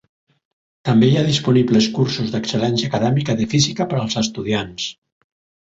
També hi ha disponibles cursos d'excel·lència acadèmica de física per als estudiants.